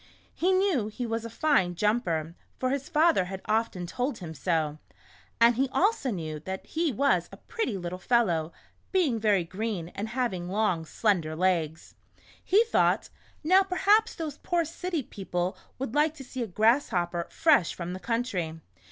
He knew he was a fine jumper, for his father had often told him so, and he also knew that he was a pretty little fellow, being very green and having long slender legs. He thought :•* Now perhaps those poor city people would like to see a grasshopper fresh from the country."